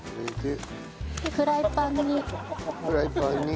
フライパンに。